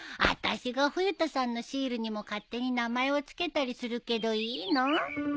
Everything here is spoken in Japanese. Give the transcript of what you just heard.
あたしが冬田さんのシールにも勝手に名前を付けたりするけどいいの？